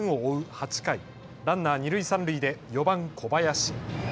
８回ランナー二塁三塁で４番・小林。